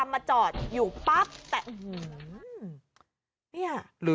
มาจอดอยู่ปั๊บแต่